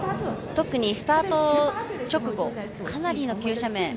特にスタート直後はかなりの急斜面